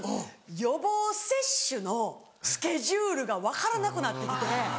予防接種のスケジュールが分からなくなって来て。